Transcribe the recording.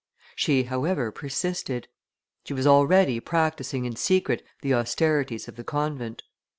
She, however, persisted. She was already practising in secret the austerities of the convent.